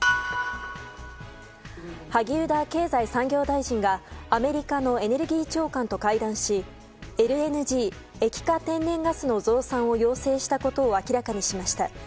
萩生田経済産業大臣がアメリカのエネルギー長官と会談しＬＮＧ・液化天然ガスの増産を要請したことを明らかにしました。